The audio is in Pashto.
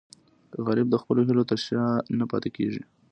غریب د خپلو هیلو تر شا نه پاتې کېږي